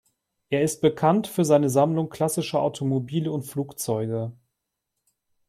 Er ist bekannt für seine Sammlung klassischer Automobile und Flugzeuge.